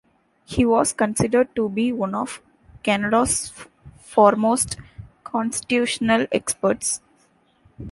He was considered to be one of Canada's foremost constitutional experts.